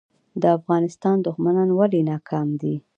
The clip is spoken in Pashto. د افغانستان دښمنان ولې ناکام دي؟